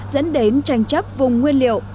dẫn đến tranh chấp vùng nguyên liệu